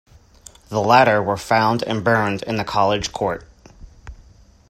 The latter were found and burned in the College court.